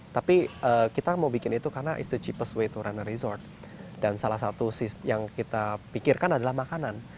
tapi kita mau bikin itu karena it's the cheapest way to rent a resort dan salah satu yang kita pikirkan adalah makanan